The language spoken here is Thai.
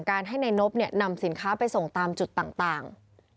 จากนั้นก็จะนำมาพักไว้ที่ห้องพลาสติกไปวางเอาไว้ตามจุดนัดต่าง